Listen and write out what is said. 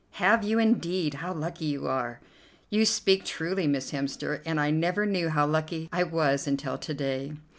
"Have you, indeed? How lucky you are!" "You speak truly, Miss Hemster, and I never knew how lucky I was until to day."